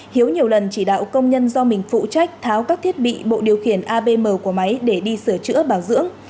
hiếu nhiều lần chỉ đạo công nhân do mình phụ trách tháo các thiết bị bộ điều khiển abm của máy để đi sửa chữa bảo dưỡng